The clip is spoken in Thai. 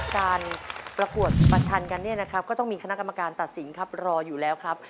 การประกวดประชันกันก็ต้องมีคณะกรรมการตัดสินรออยู่แล้วครับ